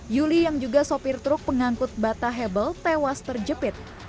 yuli yang juga sopir truk pengangkut bata hebel tewas terjepit